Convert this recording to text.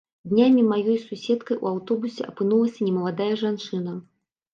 Днямі маёй суседкай у аўтобусе апынулася немаладая жанчына.